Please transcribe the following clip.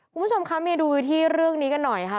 คุณผู้ชมคะมาดูที่เรื่องนี้กันหน่อยค่ะ